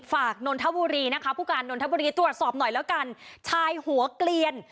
นนทบุรีนะคะผู้การนนทบุรีตรวจสอบหน่อยแล้วกันชายหัวเกลียน